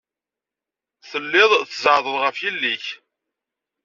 Telliḍ tzeɛɛḍeḍ ɣef yelli-k.